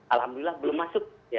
alhamdulillah belum masuk